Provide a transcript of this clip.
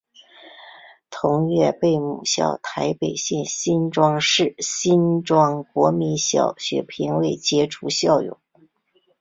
同月被母校台北县新庄市新庄国民小学评为杰出校友。